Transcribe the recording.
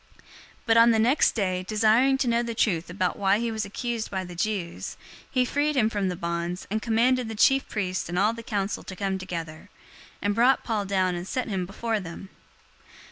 022:030 But on the next day, desiring to know the truth about why he was accused by the Jews, he freed him from the bonds, and commanded the chief priests and all the council to come together, and brought Paul down and set him before them.